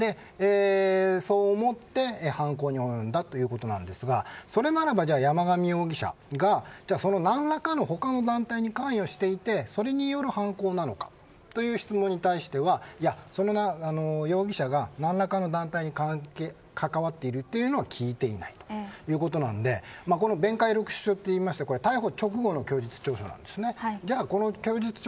そう思って犯行に及んだということなんですがそれなら山上容疑者が何らかの他の団体に関与していてそれによる犯行なのかという質問に対しては容疑者が何らかの団体に関わっているというのは聞いていないということなので弁解録取書を取りまして逮捕直後の供述書なんです。